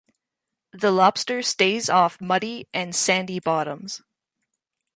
The lobster stays off of muddy and sandy bottoms.